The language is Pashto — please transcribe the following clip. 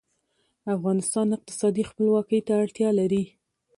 افغانستان اقتصادي خپلواکۍ ته اړتیا لري